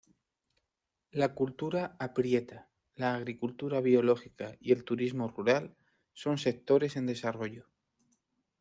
La cultura aprieta, la agricultura biológica y el turismo rural son sectores en desarrollo.